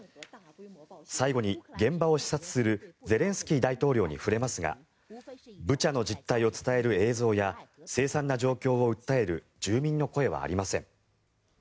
最後に現場を視察するゼレンスキー大統領に触れますがブチャの実態を伝える映像やせい惨な状況を訴える住民の声はありません。